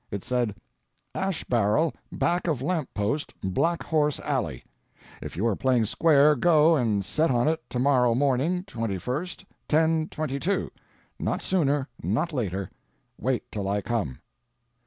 It said: "Ash barrel back of lamp post Black horse Alley. If you are playing square go and set on it to morrow morning 21st 10.22 not sooner not later wait till I come."